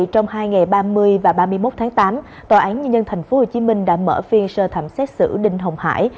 trong hai ngày ba mươi và ba mươi một tháng tám tòa án nhân dân tp hcm đã mở phiên sơ thẩm xét xử đinh hồng hải